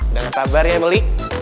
udah gak sabar ya melly